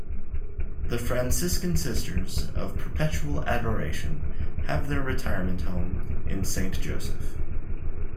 The Franciscan Sisters of Perpetual Adoration have their retirement home in Saint Joseph.